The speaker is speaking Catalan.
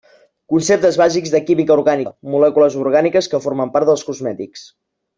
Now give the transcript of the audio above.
Conceptes bàsics de química orgànica: molècules orgàniques que formen part dels cosmètics.